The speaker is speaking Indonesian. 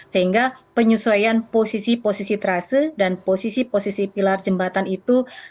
sehingga penyesuaian posisi posisi trase dan posisi posisi pilar jembatan itu